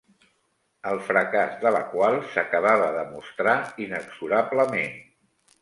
El fracàs de la qual s'acabava de mostrar inexorablement.